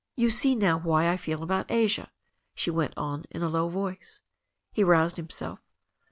"You see now why I feel about Asia," she went on in a low voice. He roused himself.